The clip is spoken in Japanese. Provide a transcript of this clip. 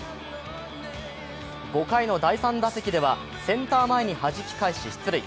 ５回の第３打席ではセンター前にはじき返し、出塁。